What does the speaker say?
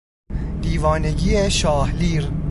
دیوانگی شاه لیر